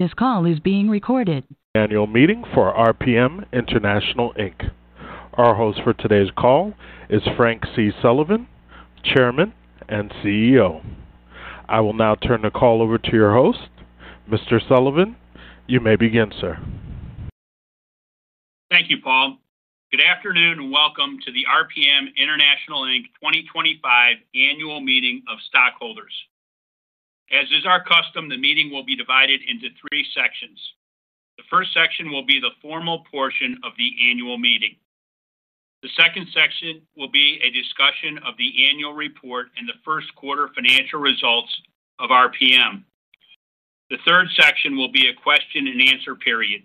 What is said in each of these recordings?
This call is being recorded. Annual meeting for RPM International Inc. Our host for today's call is Frank C. Sullivan, Chairman and CEO. I will now turn the call over to your host, Mr. Sullivan. You may begin, sir. Thank you, Paul. Good afternoon and welcome to the RPM International Inc. 2025 annual meeting of stockholders. As is our custom, the meeting will be divided into three sections. The first section will be the formal portion of the annual meeting. The second section will be a discussion of the annual report and the first quarter financial results of RPM. The third section will be a question and answer period.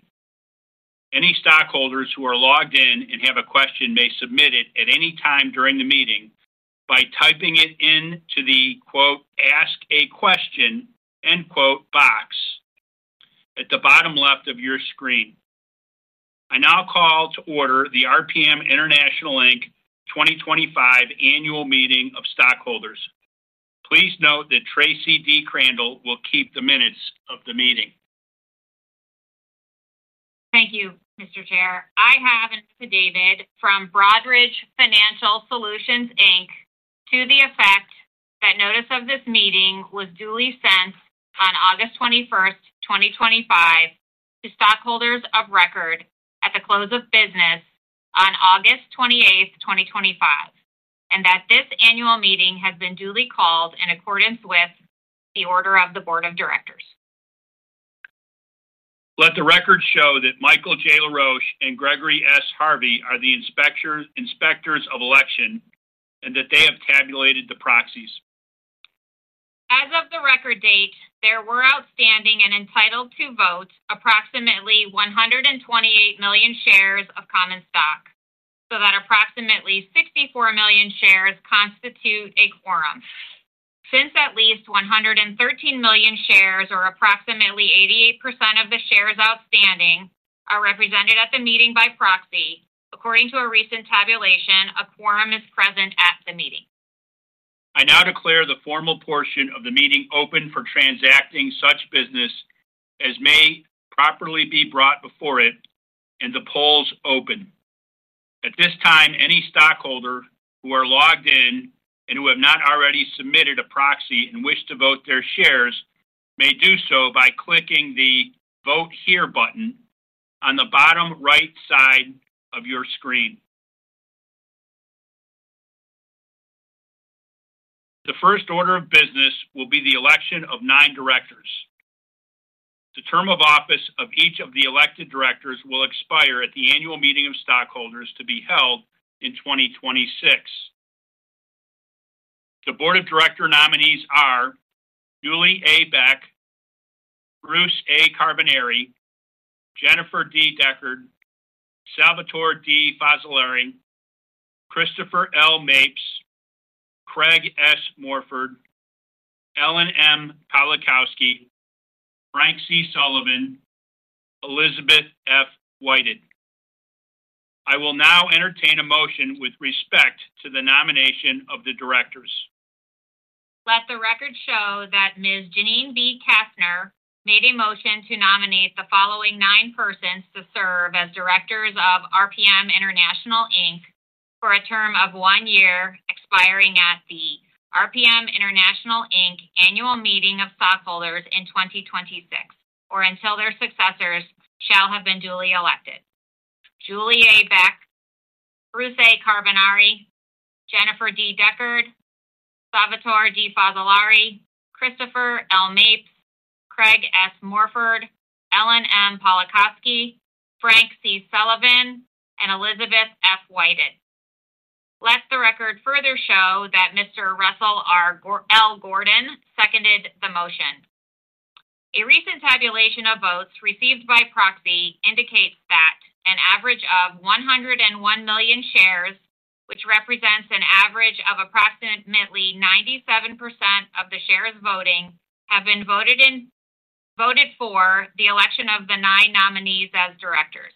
Any stockholders who are logged in and have a question may submit it at any time during the meeting by typing it into the "Ask a Question" box at the bottom left of your screen. I now call to order the RPM International Inc. 2025 annual meeting of stockholders. Please note that Tracy D. Crandall will keep the minutes of the meeting. Thank you, Mr. Chair. I have an affidavit from Broadridge Financial Solutions Inc. to the effect that notice of this meeting was duly sent on August 21, 2025, to stockholders of record at the close of business on August 28, 2025, and that this annual meeting has been duly called in accordance with the order of the Board of Directors. Let the record show that Michael J. Laroche and Gregory S. Harvey are the Inspectors of Election and that they have tabulated the proxies. As of the record date, there were outstanding and entitled to vote approximately 128 million shares of common stock, so that approximately 64 million shares constitute a quorum. Since at least 113 million shares, or approximately 88% of the shares outstanding, are represented at the meeting by proxy, according to a recent tabulation, a quorum is present at the meeting. I now declare the formal portion of the meeting open for transacting such business as may properly be brought before it, and the polls open. At this time, any stockholder who are logged in and who have not already submitted a proxy and wish to vote their shares may do so by clicking the "vote here" button on the bottom right side of your screen. The first order of business will be the election of nine directors. The term of office of each of the elected directors will expire at the annual meeting of stockholders to be held in 2026. The Board of Director nominees are Julie A. Beck, Bruce A. Carbonari, Jenniffer D. Deckard, Salvatore D. Fazzolari, Christopher L. Mapes, Craig S. Morford, Ellen M. Pawlikowski Frank C. Sullivan, and Elizabeth F. Whited. I will now entertain a motion with respect to the nomination of the directors. Let the record show that Ms. Janeen B. Kastner made a motion to nominate the following nine persons to serve as directors of RPM International Inc. for a term of one year expiring at the RPM International Inc. Annual Meeting of Stockholders in 2026, or until their successors shall have been duly elected: Julie A. Beck, Bruce A. Carbonari, Jenniffer D. Deckard, Salvatore D. Fazzolari, Christopher L. Mapes, Craig S. Morford, Ellen M. Pawlikowski Frank C. Sullivan, and Elizabeth F. Whited. Let the record further show that Mr. Russell L. Gordon seconded the motion. A recent tabulation of votes received by proxy indicates that an average of 101 million shares, which represents an average of approximately 97% of the shares voting, have been voted for the election of the nine nominees as directors.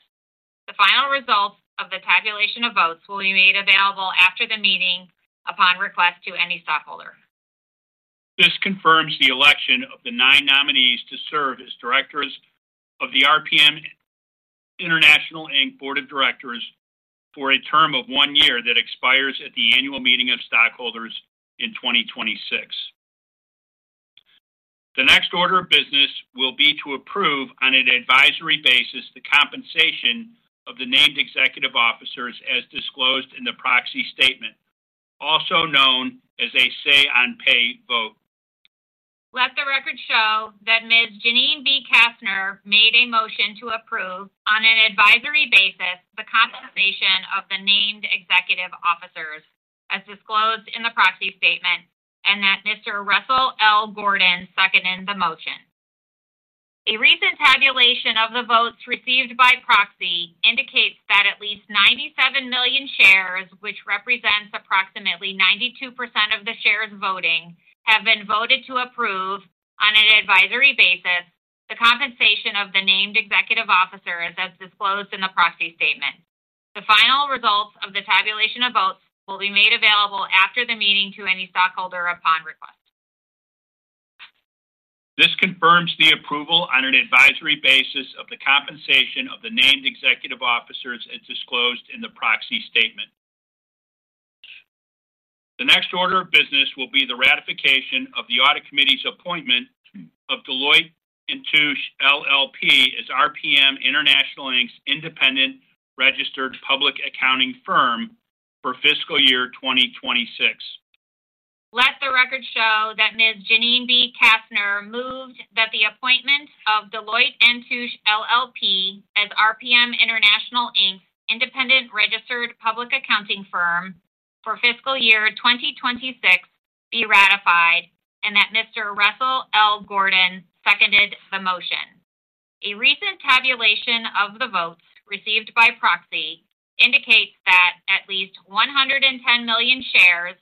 The final results of the tabulation of votes will be made available after the meeting upon request to any stockholder. This confirms the election of the nine nominees to serve as directors of the RPM International Inc. Board of Directors for a term of one year that expires at the Annual Meeting of Stockholders in 2026. The next order of business will be to approve on an advisory basis the compensation of the named executive officers as disclosed in the proxy statement, also known as a say on pay vote. Let the record show that Ms. Janeen B. Kastner made a motion to approve on an advisory basis the compensation of the named executive officers as disclosed in the proxy statement, and that Mr. Russell L. Gordon seconded the motion. A recent tabulation of the votes received by proxy indicates that at least 97 million shares, which represents approximately 92% of the shares voting, have been voted to approve on an advisory basis the compensation of the named executive officers as disclosed in the proxy statement. The final results of the tabulation of votes will be made available after the meeting to any stockholder upon request. This confirms the approval on an advisory basis of the compensation of the named executive officers as disclosed in the proxy statement. The next order of business will be the ratification of the Audit Committee's appointment of Deloitte & Touche LLP as RPM International Inc.'s independent registered public accounting firm for fiscal year 2026. Let the record show that Ms. Janeen B. Kastner moved that the appointment of Deloitte & Touche LLP as RPM International Inc.'s independent registered public accounting firm for fiscal year 2026 be ratified, and that Mr. Russell L. Gordon seconded the motion. A recent tabulation of the votes received by proxy indicates that at least 110 million shares,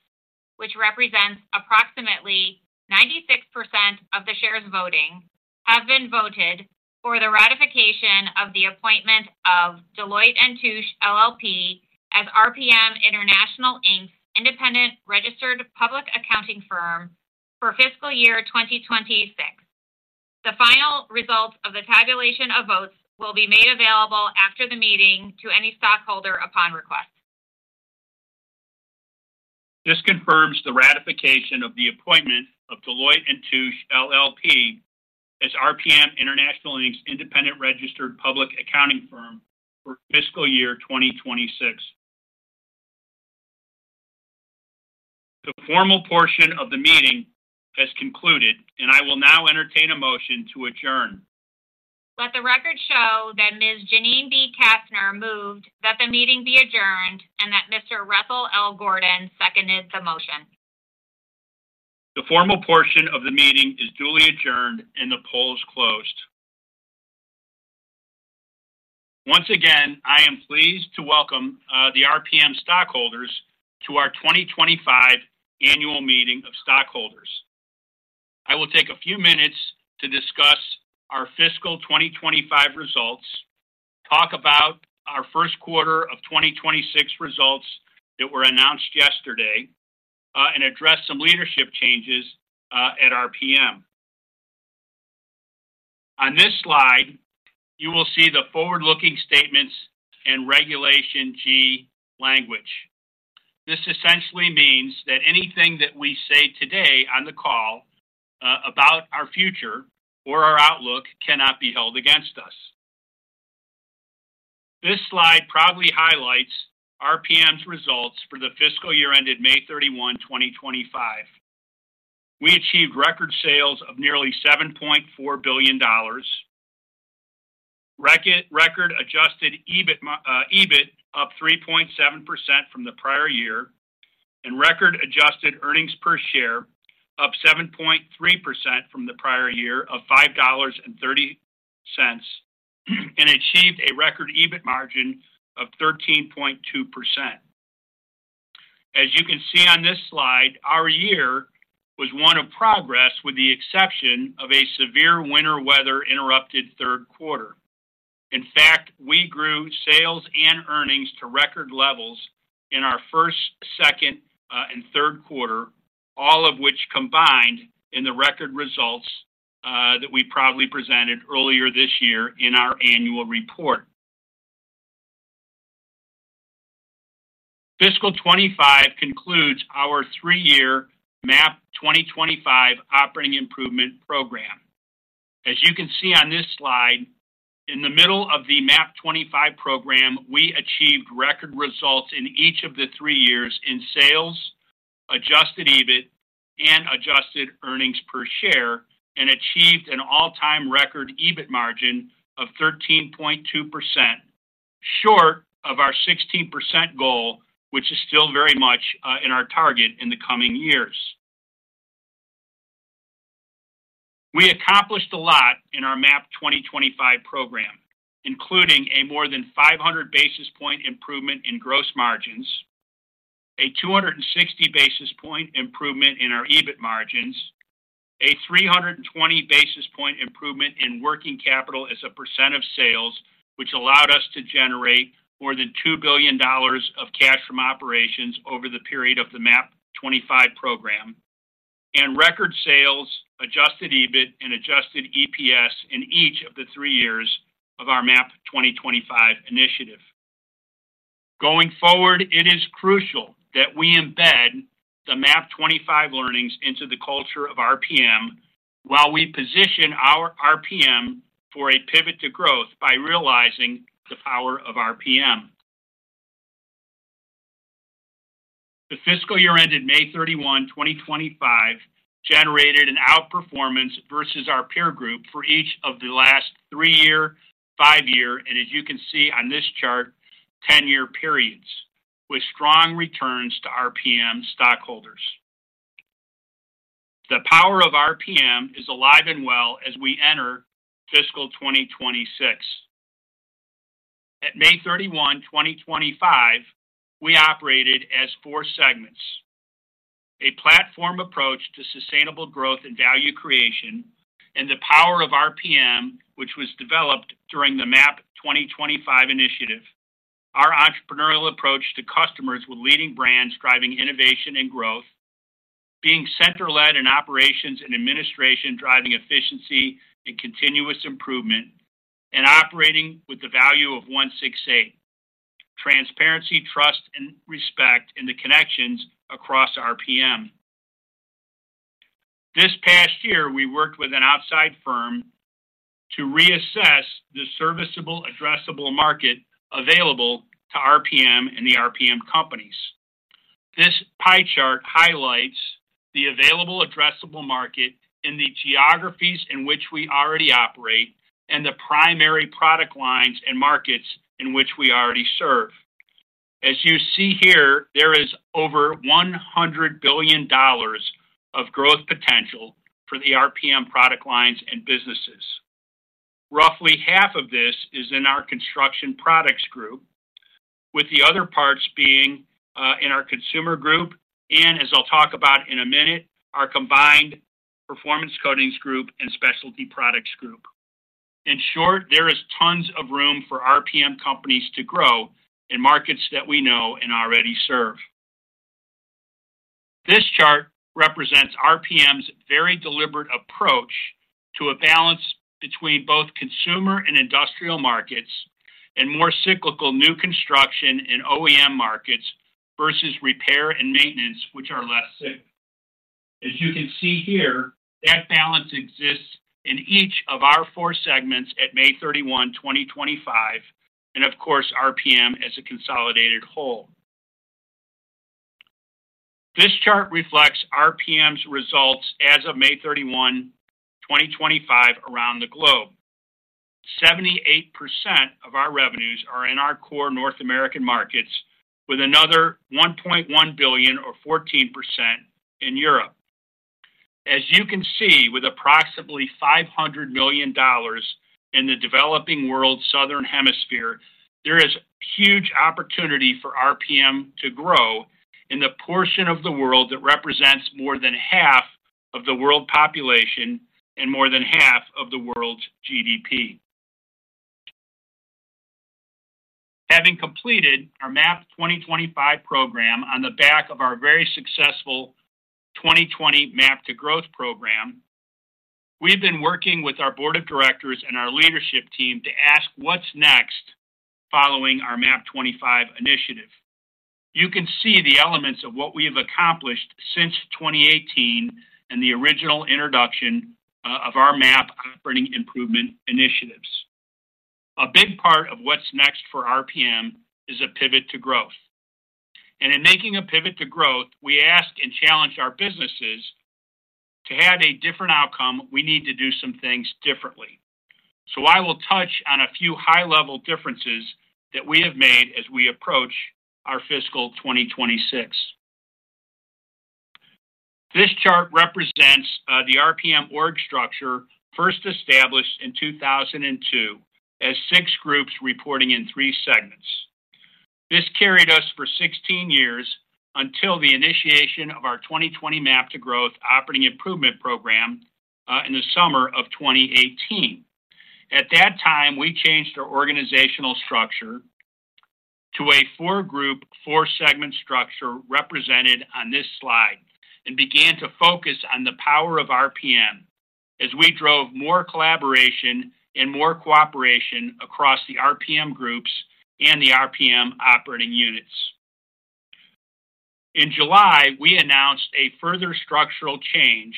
which represents approximately 96% of the shares voting, have been voted for the ratification of the appointment of Deloitte & Touche LLP as RPM International Inc.'s independent registered public accounting firm for fiscal year 2026. The final results of the tabulation of votes will be made available after the meeting to any stockholder upon request. This confirms the ratification of the appointment of Deloitte & Touche LLP as RPM International Inc.'s independent registered public accounting firm for fiscal year 2026. The formal portion of the meeting has concluded, and I will now entertain a motion to adjourn. Let the record show that Ms. Janeen B. Kastner moved that the meeting be adjourned, and that Mr. Russell L. Gordon seconded the motion. The formal portion of the meeting is duly adjourned and the polls closed. Once again, I am pleased to welcome the RPM stockholders to our 2025 Annual Meeting of Stockholders. I will take a few minutes to discuss our fiscal 2025 results, talk about our first quarter of 2026 results that were announced yesterday, and address some leadership changes at RPM. On this slide, you will see the forward-looking statements and Regulation G language. This essentially means that anything that we say today on the call about our future or our outlook cannot be held against us. This slide probably highlights RPM's results for the fiscal year ended May 31, 2025. We achieved record sales of nearly $7.4 billion, record adjusted EBIT up 3.7% from the prior year, and record adjusted earnings per share up 7.3% from the prior year of $5.30, and achieved a record EBIT margin of 13.2%. As you can see on this slide, our year was one of progress with the exception of a severe winter weather interrupted third quarter. In fact, we grew sales and earnings to record levels in our first, second, and third quarter, all of which combined in the record results that we proudly presented earlier this year in our annual report. Fiscal 2025 concludes our three-year MAP 2025 Operating Improvement Program. As you can see on this slide, in the middle of the MAP 2025 program, we achieved record results in each of the three years in sales, adjusted EBIT, and adjusted earnings per share, and achieved an all-time record EBIT margin of 13.2%, short of our 16% goal, which is still very much in our target in the coming years. We accomplished a lot in our MAP 2025 program, including a more than 500 basis point improvement in gross margins, a 260 basis point improvement in our EBIT margins, a 320 basis point improvement in working capital as a percent of sales, which allowed us to generate more than $2 billion of cash from operations over the period of the MAP 2025 program, and record sales, adjusted EBIT, and adjusted EPS in each of the three years of our MAP 2025 initiative. Going forward, it is crucial that we embed the MAP 2025 learnings into the culture of RPM while we position our RPM for a pivot to growth by realizing the power of RPM. The fiscal year ended May 31, 2025, generated an outperformance versus our peer group for each of the last three-year, five-year, and as you can see on this chart, 10-year periods with strong returns to RPM stockholders. The power of RPM is alive and well as we enter fiscal 2026. At May 31, 2025, we operated as four segments: a platform approach to sustainable growth and value creation, and the power of RPM, which was developed during the MAP 2025 initiative, our entrepreneurial approach to customers with leading brands driving innovation and growth, being center-led in operations and administration, driving efficiency and continuous improvement, and operating with the value of 168, transparency, trust, and respect in the connections across RPM. This past year, we worked with an outside firm to reassess the serviceable addressable market available to RPM and the RPM companies. This pie chart highlights the available addressable market in the geographies in which we already operate and the primary product lines and markets in which we already serve. As you see here, there is over $100 billion of growth potential for the RPM product lines and businesses. Roughly half of this is in our Construction Products Group, with the other parts being in our Consumer Group and, as I'll talk about in a minute, our combined Performance Coatings Group and Specialty Products Group. In short, there is tons of room for RPM companies to grow in markets that we know and already serve. This chart represents RPM's very deliberate approach to a balance between both consumer and industrial markets and more cyclical new construction and OEM markets versus repair and maintenance, which are less so. As you can see here, that balance exists in each of our four segments at May 31, 2025, and of course, RPM as a consolidated whole. This chart reflects RPM's results as of May 31, 2025, around the globe. 78% of our revenues are in our core North American markets, with another $1.1 billion or 14% in Europe. As you can see, with approximately $500 million in the developing world's southern hemisphere, there is huge opportunity for RPM to grow in the portion of the world that represents more than half of the world population and more than half of the world's GDP. Having completed our MAP 2025 program on the back of our very successful 2020 MAP to Growth program, we've been working with our Board of Directors and our leadership team to ask what's next following our MAP 2025 initiative. You can see the elements of what we've accomplished since 2018 and the original introduction of our MAP Operating Improvement Initiatives. A big part of what's next for RPM is a pivot to growth. In making a pivot to growth, we ask and challenge our businesses to have a different outcome. We need to do some things differently. I will touch on a few high-level differences that we have made as we approach our fiscal 2026. This chart represents the RPM org structure first established in 2002 as six groups reporting in three segments. This carried us for 16 years until the initiation of our 2020 MAP to Growth Operating Improvement Program in the summer of 2018. At that time, we changed our organizational structure to a four-group, four-segment structure represented on this slide and began to focus on the power of RPM as we drove more collaboration and more cooperation across the RPM groups and the RPM operating units. In July, we announced a further structural change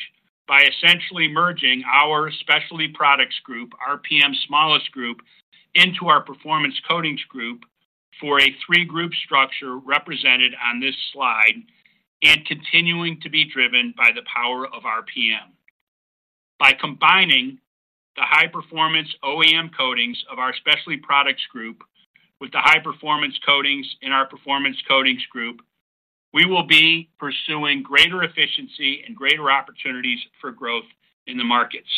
by essentially merging our specialty products group, RPM's smallest group, into our performance coatings group for a three-group structure represented on this slide and continuing to be driven by the power of RPM. By combining the high-performance OEM coatings of our specialty products group with the high-performance coatings in our performance coatings group, we will be pursuing greater efficiency and greater opportunities for growth in the markets.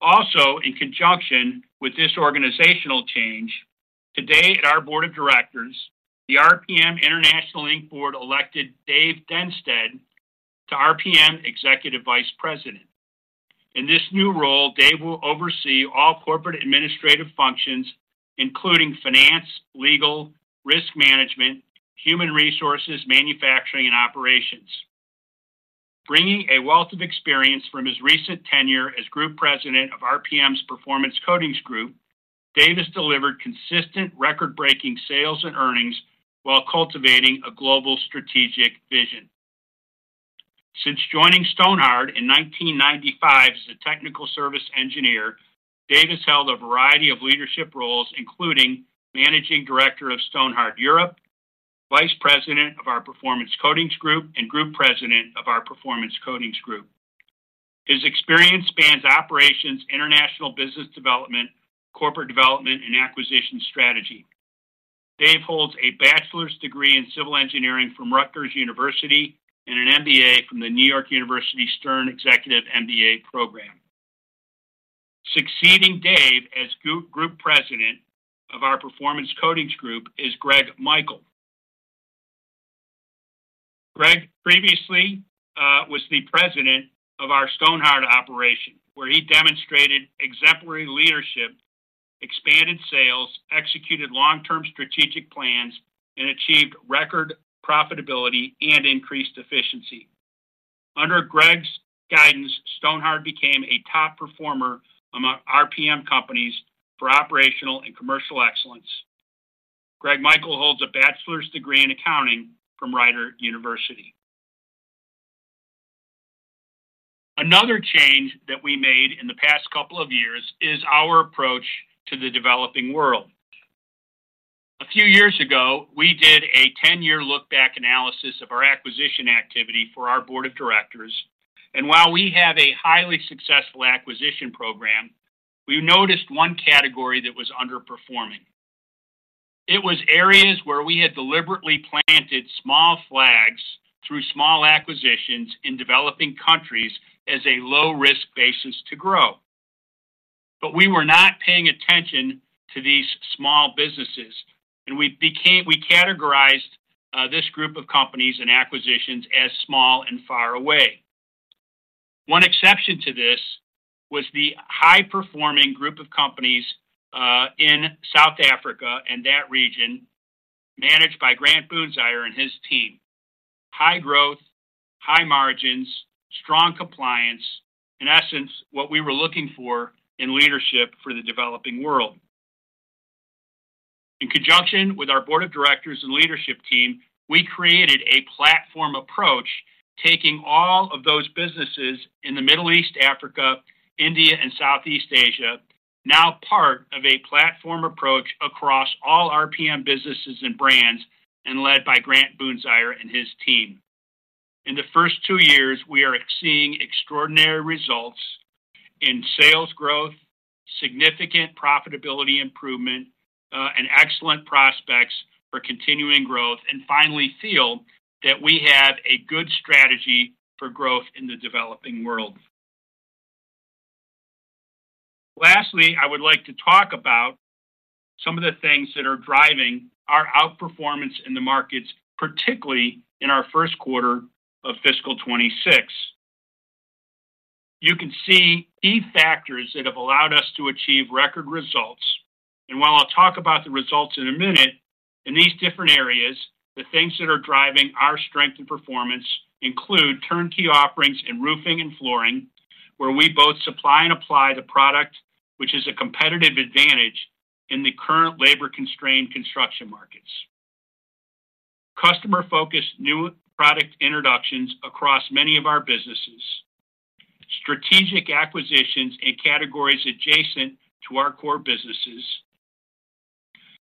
Also, in conjunction with this organizational change, today at our Board of Directors, the RPM International Inc. Board elected Dave Dennsteadt to RPM Executive Vice President. In this new role, Dave will oversee all corporate administrative functions, including finance, legal, risk management, human resources, manufacturing, and operations. Bringing a wealth of experience from his recent tenure as Group President of RPM's Performance Coatings Group, Dave has delivered consistent record-breaking sales and earnings while cultivating a global strategic vision. Since joining Stonhard in 1995 as a Technical Service Engineer, Dave has held a variety of leadership roles, including Managing Director of Stonhard Europe, Vice President of our Performance Coatings Group, and Group President of our Performance Coatings Group. His experience spans operations, international business development, corporate development, and acquisition strategy. Dave holds a bachelor's degree in civil engineering from Rutgers University and an MBA from the New York University Stern Executive MBA program. Succeeding Dave as Group President of our Performance Coatings Group is Greg Michael. Greg previously was the President of our Stonhard operation, where he demonstrated exemplary leadership, expanded sales, executed long-term strategic plans, and achieved record profitability and increased efficiency. Under Greg's guidance, Stonhard became a top performer among RPM companies for operational and commercial excellence. Greg Michael holds a bachelor's degree in accounting from Rider University. Another change that we made in the past couple of years is our approach to the developing world. A few years ago, we did a 10-year look-back analysis of our acquisition activity for our Board of Directors. While we have a highly successful acquisition program, we noticed one category that was underperforming. It was areas where we had deliberately planted small flags through small acquisitions in developing countries as a low-risk basis to grow. We were not paying attention to these small businesses, and we categorized this group of companies and acquisitions as small and far away. One exception to this was the high-performing group of companies in South Africa and that region managed by Grant Boonzaier and his team. High growth, high margins, strong compliance, in essence, what we were looking for in leadership for the developing world. In conjunction with our Board of Directors and leadership team, we created a platform approach, taking all of those businesses in the Middle East, Africa, India, and Southeast Asia, now part of a platform approach across all RPM businesses and brands and led by Grant Boonzaier and his team. In the first two years, we are seeing extraordinary results in sales growth, significant profitability improvement, and excellent prospects for continuing growth and finally feel that we have a good strategy for growth in the developing world. Lastly, I would like to talk about some of the things that are driving our outperformance in the markets, particularly in our first quarter of fiscal 2026. You can see key factors that have allowed us to achieve record results. While I'll talk about the results in a minute, in these different areas, the things that are driving our strength and performance include turnkey offerings in roofing and flooring, where we both supply and apply the product, which is a competitive advantage in the current labor-constrained construction markets. Customer-focused new product introductions across many of our businesses, strategic acquisitions in categories adjacent to our core businesses,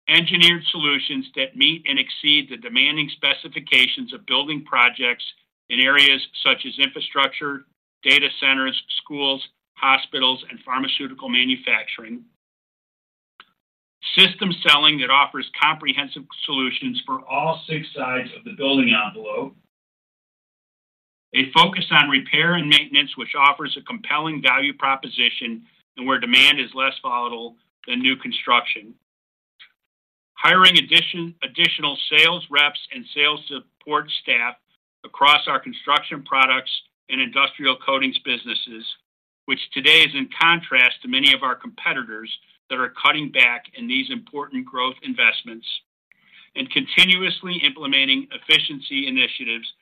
engineered solutions that meet and exceed the demanding specifications of building projects in areas such as infrastructure, data centers, schools, hospitals, and pharmaceutical manufacturing, system selling that offers comprehensive solutions for all six sides of the building envelope, a focus on repair and maintenance, which offers a compelling value proposition and where demand is less volatile than new construction, hiring additional sales reps and sales support staff across our construction products and industrial coatings businesses, which today is in contrast to many of our competitors that are cutting back in these important growth investments, and continuously implementing efficiency initiatives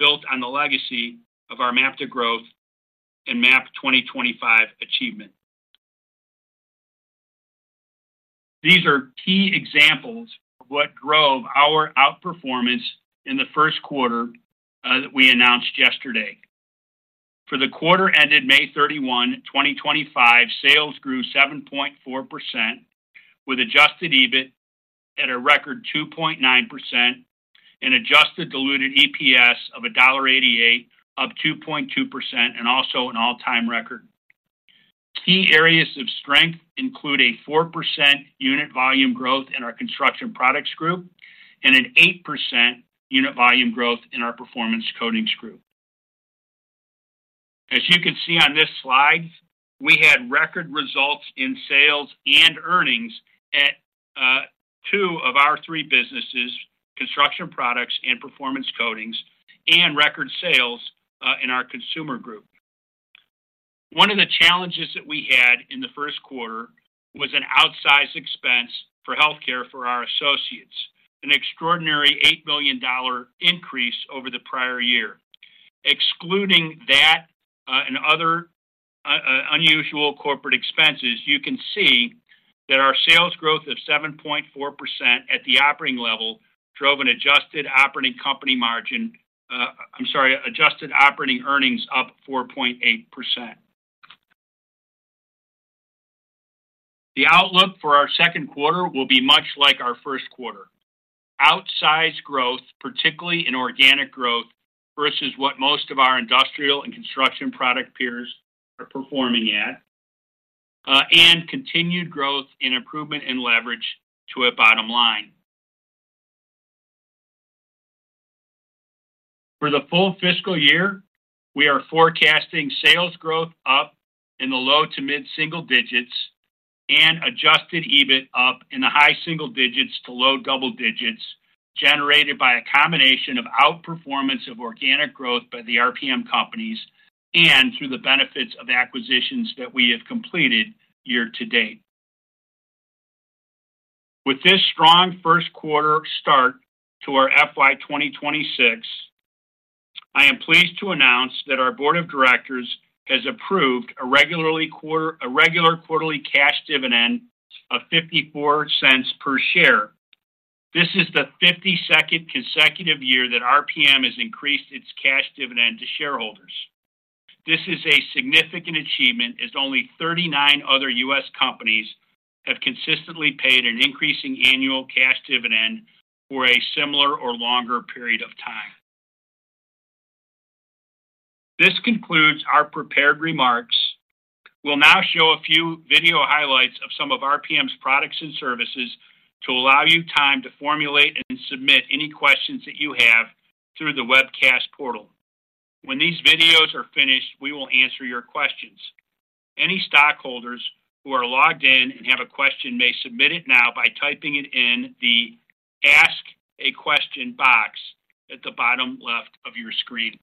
built on the legacy of our MAP to Growth and MAP 2025 achievement. These are key examples of what drove our outperformance in the first quarter that we announced yesterday. For the quarter ended May 31, 2025, sales grew 7.4% with adjusted EBIT at a record 2.9% and adjusted diluted EPS of $1.88 up 2.2% and also an all-time record. Key areas of strength include a 4% unit volume growth in our Construction Products Group and an 8% unit volume growth in our Performance Coatings Group. As you can see on this slide, we had record results in sales and earnings at two of our three businesses, Construction Products and Performance Coatings, and record sales in our Consumer Group. One of the challenges that we had in the first quarter was an outsized expense for healthcare for our associates, an extraordinary $8 million increase over the prior year. Excluding that and other unusual corporate expenses, you can see that our sales growth of 7.4% at the operating level drove an adjusted operating company margin, I'm sorry, adjusted operating earnings up 4.8%. The outlook for our second quarter will be much like our first quarter. Outsized growth, particularly in organic growth versus what most of our industrial and construction product peers are performing at, and continued growth in improvement and leverage to a bottom line. For the full fiscal year, we are forecasting sales growth up in the low to mid-single digits and adjusted EBIT up in the high single digits to low double digits generated by a combination of outperformance of organic growth by the RPM companies and through the benefits of acquisitions that we have completed year to date. With this strong first quarter start to our FY 2026, I am pleased to announce that our board of directors has approved a regular quarterly cash dividend of $0.54 per share. This is the 52nd consecutive year that RPM has increased its cash dividend to shareholders. This is a significant achievement as only 39 other U.S. companies have consistently paid an increasing annual cash dividend for a similar or longer period of time. This concludes our prepared remarks. We'll now show a few video highlights of some of RPM's products and services to allow you time to formulate and submit any questions that you have through the webcast portal. When these videos are finished, we will answer your questions. Any stockholders who are logged in and have a question may submit it now by typing it in the "Ask a Question" box at the bottom left of your videos.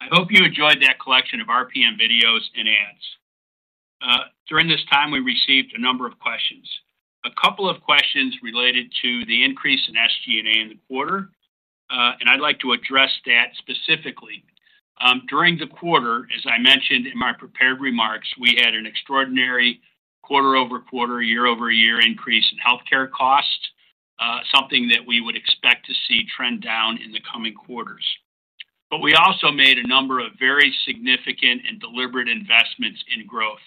I hope you enjoyed that collection of RPM videos and ads. During this time, we received a number of questions. A couple of questions related to the increase in SG&A expenses in the quarter, and I'd like to address that specifically. During the quarter, as I mentioned in my prepared remarks, we had an extraordinary quarter-over-quarter, year-over-year increase in healthcare costs, something that we would expect to see trend down in the coming quarters. We also made a number of very significant and deliberate investments in growth.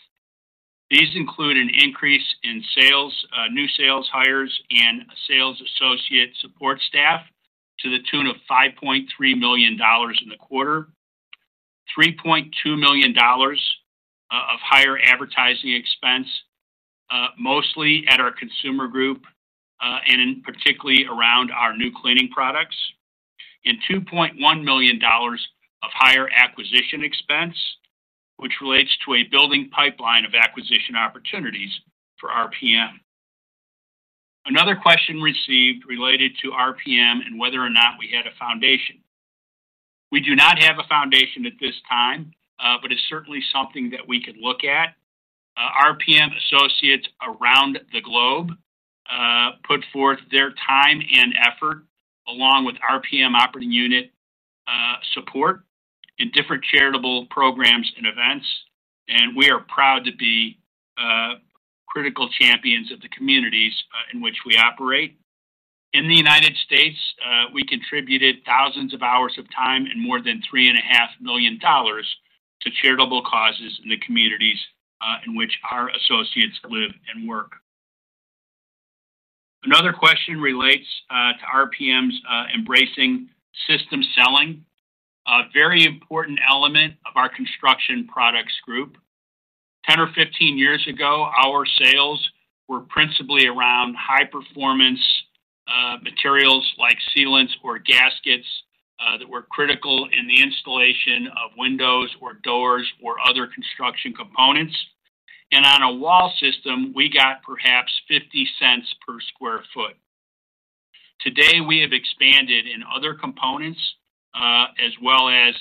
These include an increase in sales, new sales hires, and sales associate support staff to the tune of $5.3 million in the quarter, $3.2 million of higher advertising expense, mostly at our consumer group and in particular around our new cleaning products, and $2.1 million of higher acquisition expense, which relates to a building pipeline of acquisition opportunities for RPM. Another question received related to RPM and whether or not we had a foundation. We do not have a foundation at this time, but it's certainly something that we could look at. RPM associates around the globe put forth their time and effort along with RPM operating unit support in different charitable programs and events, and we are proud to be critical champions of the communities in which we operate. In the U.S., we contributed thousands of hours of time and more than $3.5 million to charitable causes in the communities in which our associates live and work. Another question relates to RPM's embracing system selling, a very important element of our Construction Products Group. Ten or 15 years ago, our sales were principally around high-performance materials like sealants or gaskets that were critical in the installation of windows or doors or other construction components. On a wall system, we got perhaps $0.50 per square foot. Today, we have expanded in other components, as well as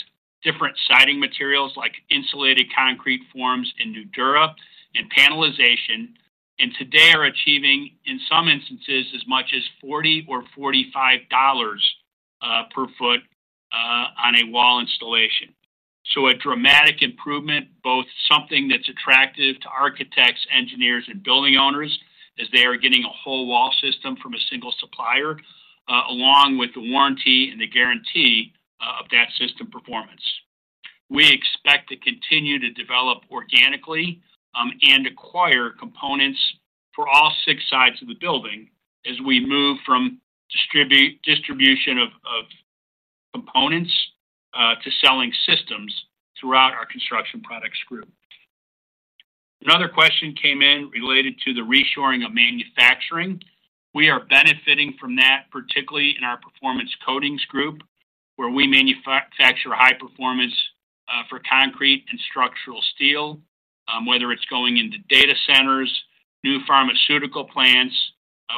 different siding materials like insulated concrete forms and Nudura, and panelization, and today are achieving, in some instances, as much as $40 or $45 per foot on a wall installation. This is a dramatic improvement, both something that's attractive to architects, engineers, and building owners as they are getting a whole wall system from a single supplier, along with the warranty and the guarantee of that system performance. We expect to continue to develop organically and acquire components for all six sides of the building as we move from distribution of components to selling systems throughout our Construction Products Group. Another question came in related to the reshoring of manufacturing. We are benefiting from that, particularly in our Performance Coatings Group, where we manufacture high performance for concrete and structural steel, whether it's going into data centers, new pharmaceutical plants,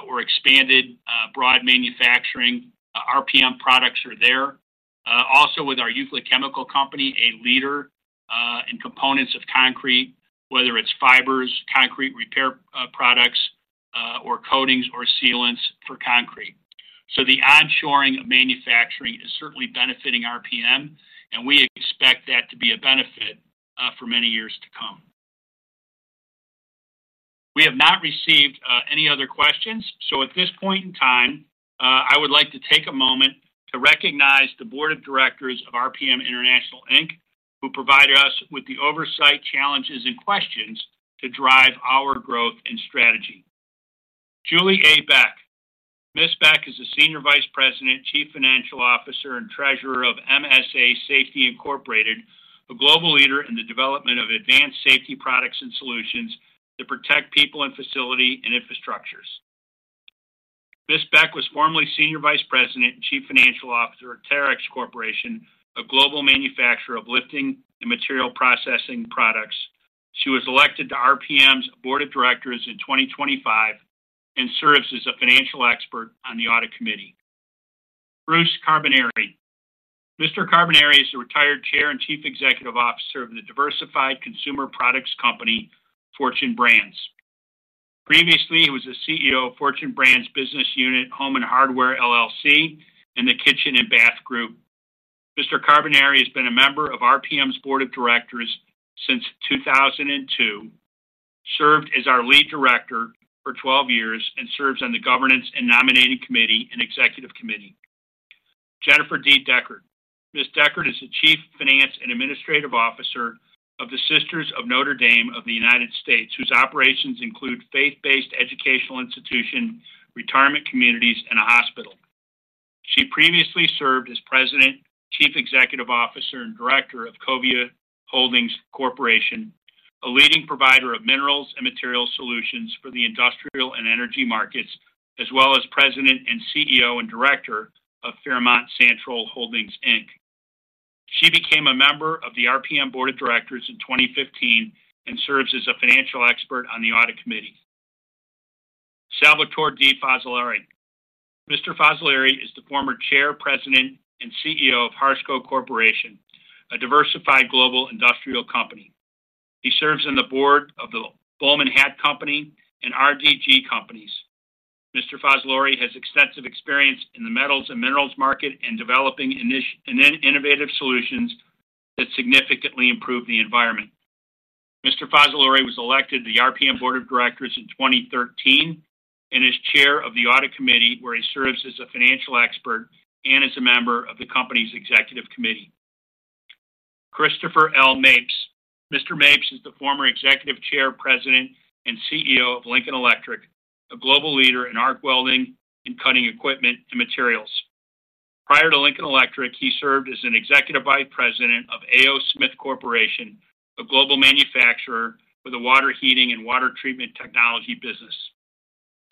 or expanded broad manufacturing. RPM products are there. Also, with our Euclid Chemical Company, a leader in components of concrete, whether it's fibers, concrete repair products, or coatings, or sealants for concrete. The onshoring of manufacturing is certainly benefiting RPM, and we expect that to be a benefit for many years to come. We have not received any other questions. At this point in time, I would like to take a moment to recognize the Board of Directors of RPM International Inc., who provided us with the oversight, challenges, and questions to drive our growth and strategy. Julie A. Beck. Ms. Beck is the Senior Vice President, Chief Financial Officer, and Treasurer of MSA Safety Incorporated, a global leader in the development of advanced safety products and solutions that protect people and facility and infrastructures. Ms. Beck was formerly Senior Vice President and Chief Financial Officer of Terex Corporation, a global manufacturer of lifting and material processing products. She was elected to RPM's Board of Directors in 2025 and serves as a financial expert on the Audit Committee. Bruce A. Carbonari. Mr. Carbonari is a retired Chair and Chief Executive Officer of the diversified consumer products company Fortune Brands. Previously, he was the CEO of Fortune Brands Business Unit Home and Hardware LLC and the Kitchen and Bath Group. Mr. Carbonari has been a member of RPM's Board of Directors since 2002, served as our Lead Director for 12 years, and serves on the Governance and Nominating Committee and Executive Committee. Jenniffer D. Deckard. Ms. Deckard is the Chief Finance and Administrative Officer of the Sisters of Notre Dame of the United States, whose operations include faith-based educational institutions, retirement communities, and a hospital. She previously served as President, Chief Executive Officer, and Director of Covia Holdings Corporation, a leading provider of minerals and materials solutions for the industrial and energy markets, as well as President and CEO and Director of Fairmount Santrol Holdings Inc. She became a member of the RPM Board of Directors in 2015 and serves as a financial expert on the Audit Committee. Salvatore D. Fazzolari. Mr. Fazzolari is the former Chair, President, and CEO of Harsco Corporation, a diversified global industrial company. He serves on the board of the Bollman Hat Company and RDG Companies. Mr. Fazzolari has extensive experience in the metals and minerals market and developing innovative solutions that significantly improve the environment. Mr. Fazzolari was elected to the RPM Board of Directors in 2013 and is Chair of the Audit Committee, where he serves as a financial expert and as a member of the company's Executive Committee. Christopher L. Mapes. Mr. Mapes is the former Executive Chair, President, and CEO of Lincoln Electric, a global leader in arc welding and cutting equipment and materials. Prior to Lincoln Electric, he served as an Executive Vice President of AO Smith Corporation, a global manufacturer with a water heating and water treatment technology business.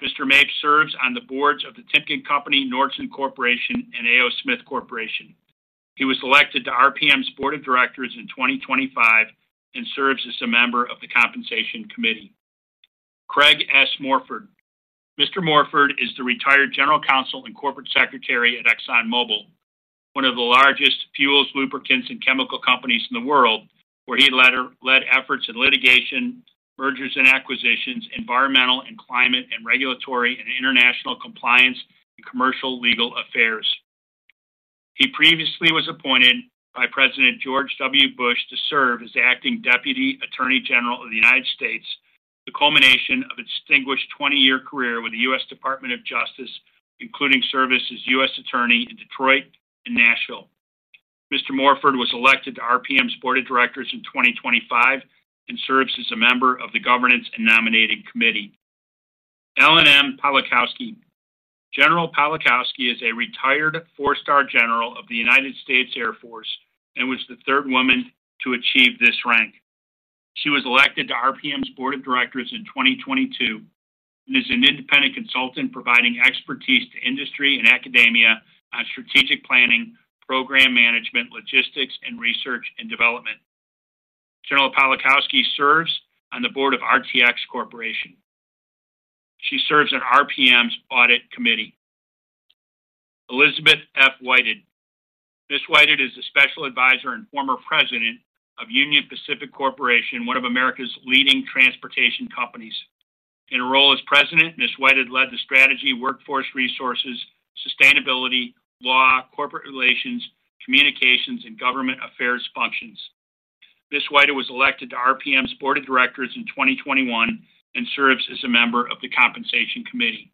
Mr. Mapes serves on the boards of the Timken Company, Nordson Corporation, and AO Smith Corporation. He was elected to RPM's Board of Directors in 2025 and serves as a member of the Compensation Committee. Craig S. Morford. Mr. Morford is the retired General Counsel and Corporate Secretary at Exxon Mobil, one of the largest fuels, lubricants, and chemical companies in the world, where he led efforts in litigation, mergers and acquisitions, environmental and climate and regulatory and international compliance, and commercial legal affairs. He previously was appointed by President George W. Bush to serve as Acting Deputy Attorney General of the United States, the culmination of a distinguished 20-year career with the U.S. Department of Justice, including service as U.S. Attorney in Detroit and Nashville. Mr. Morford was elected to RPM International Inc.'s Board of Directors in 2025 and serves as a member of the Governance and Nominating Committee.Ellen M. Pawlikowski. General Pawlikowski is a retired four-star general of the United States Air Force and was the third woman to achieve this rank. She was elected to RPM International Inc.'s Board of Directors in 2022 and is an independent consultant providing expertise to industry and academia on strategic planning, program management, logistics, and research and development. General Pawlikowski serves on the board of RTX Corporation. She serves on RPM International Inc.'s Audit Committee. Elizabeth F. Whited. Ms. Whited is a special advisor and former president of Union Pacific Corporation, one of America's leading transportation companies. In her role as president, Ms. Whited led the strategy, workforce resources, sustainability, law, corporate relations, communications, and government affairs functions. Ms. Whited was elected to RPM International Inc.'s Board of Directors in 2021 and serves as a member of the Compensation Committee.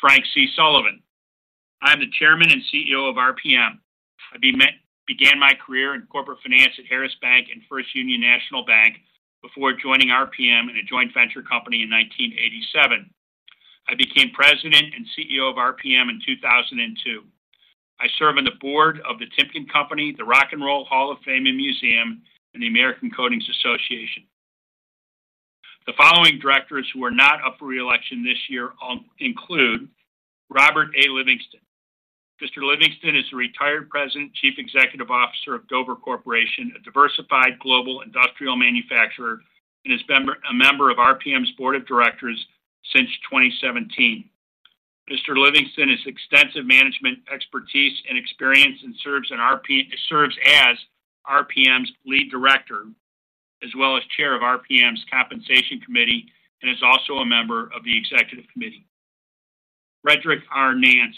Frank C. Sullivan. I am the Chairman and CEO of RPM International Inc. I began my career in corporate finance at Harris Bank and First Union National Bank before joining RPM International Inc. in a joint venture company in 1987. I became President and CEO of RPM International Inc. in 2002. I serve on the board of the Timken Company, the Rock and Roll Hall of Fame and Museum, and the American Coatings Association. The following directors who are not up for reelection this year include Robert A. Livingston. Mr. Livingston is a retired President, Chief Executive Officer of Dover Corporation, a diversified global industrial manufacturer, and has been a member of RPM International Inc.'s Board of Directors since 2017. Mr. Livingston has extensive management expertise and experience and serves as RPM International Inc.'s Lead Director, as well as Chair of RPM International Inc.'s Compensation Committee, and is also a member of the Executive Committee. Frederick R. Nance.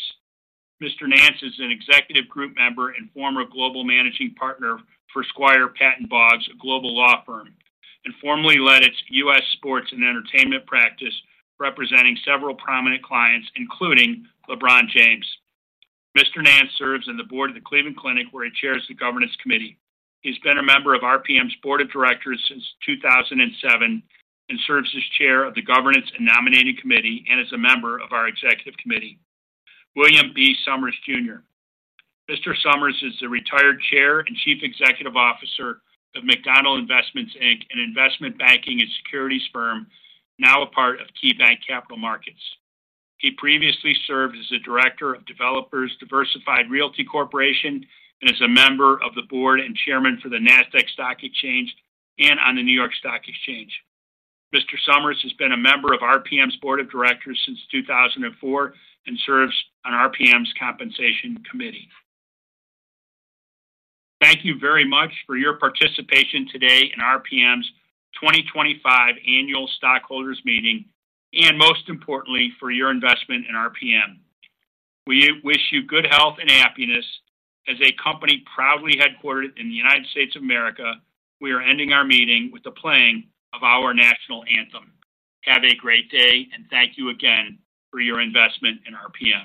Mr. Nance is an Executive Group member and former Global Managing Partner for Squire Patton Boggs, a global law firm, and formerly led its U.S. Sports and Entertainment Practice, representing several prominent clients, including LeBron James. Mr. Nance serves on the board of the Cleveland Clinic, where he chairs the Governance Committee. He's been a member of RPM's Board of Directors since 2007 and serves as Chair of the Governance and Nominating Committee and is a member of our Executive Committee. William B. Summers, Jr. is the retired Chair and Chief Executive Officer of McDonald Investments Inc., an investment banking and securities firm, now a part of KeyBanc Capital Markets Inc. He previously served as the Director of Developers Diversified Realty Corporation and is a member of the board and Chairman for the NASDAQ Stock Exchange and on the New York Stock Exchange. Mr. Summers has been a member of RPM's Board of Directors since 2004 and serves on RPM's Compensation Committee. Thank you very much for your participation today in RPM's 2025 Annual Stockholders' Meeting, and most importantly, for your investment in RPM. We wish you good health and happiness. As a company proudly headquartered in the United States of America, we are ending our meeting with the playing of our national anthem. Have a great day, and thank you again for your investment in RPM.